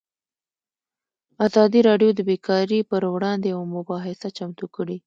ازادي راډیو د بیکاري پر وړاندې یوه مباحثه چمتو کړې.